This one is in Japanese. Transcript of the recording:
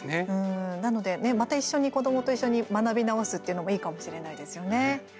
なので、また一緒に、子どもと一緒に学び直すっていうのもいいかもしれないですよね。